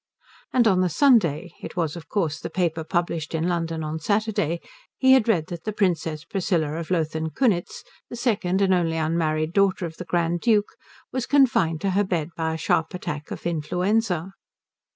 And on the Sunday it was of course the paper published in London on Saturday he read that the Princess Priscilla of Lothen Kunitz, the second and only unmarried daughter of the Grand Duke, was confined to her bed by a sharp attack of influenza.